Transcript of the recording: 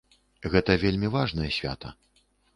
Гэта вельмі важнае свята.